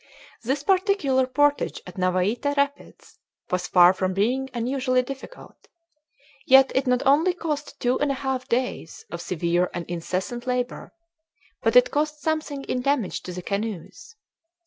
This particular portage at Navaite Rapids was far from being unusually difficult; yet it not only cost two and a half days of severe and incessant labor, but it cost something in damage to the canoes.